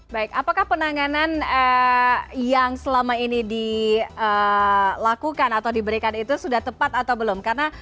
baik apakah penanganan yang selama ini dilakukan atau diberikan itu sudah tepat atau belum karena